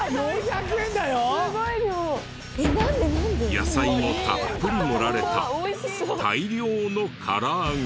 野菜もたっぷり盛られた大量のから揚げ。